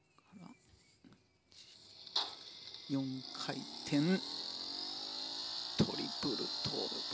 ４回転、トリプルトウループ。